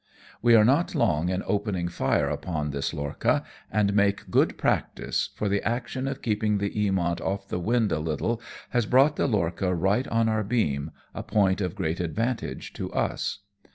We are not long in opening fire upon this lorcha, and make good practice, for the action of keeping the Eamont off the wind a little has brought the lorcha right on our beam, a point of great advantage to us.